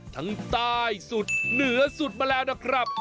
ทั้งใต้สุดเหนือสุดมาแล้วนะครับ